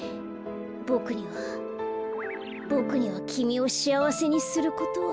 ボクにはボクにはきみをしあわせにすることは。